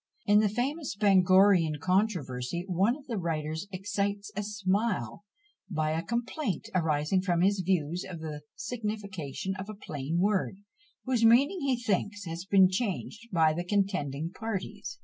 In the famous Bangorian controversy, one of the writers excites a smile by a complaint, arising from his views of the signification of a plain word, whose meaning he thinks had been changed by the contending parties.